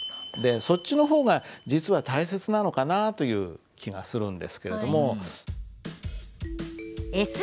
そっちの方が実は大切なのかなという気がするんですけれども。